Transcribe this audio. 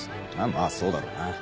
まあそうだろうな。